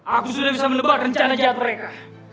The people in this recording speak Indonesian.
aku sudah bisa menebak rencana jahat mereka